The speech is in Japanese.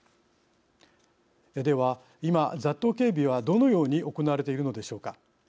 では今、雑踏警備はどのように行われているのでしょうか。